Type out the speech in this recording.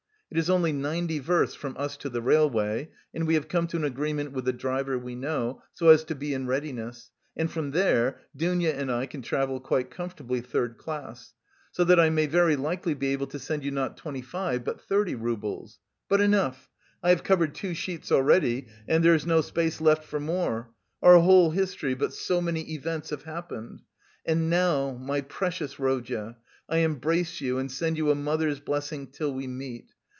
It is only ninety versts from us to the railway and we have come to an agreement with a driver we know, so as to be in readiness; and from there Dounia and I can travel quite comfortably third class. So that I may very likely be able to send to you not twenty five, but thirty roubles. But enough; I have covered two sheets already and there is no space left for more; our whole history, but so many events have happened! And now, my precious Rodya, I embrace you and send you a mother's blessing till we meet.